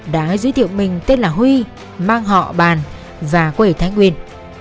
đã giới thiệu mình tên là huy mang họ bàn và quẩy thái nguyên